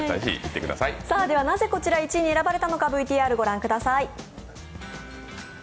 なぜこちら、１位に選ばれたのかＶＴＲ御覧ください。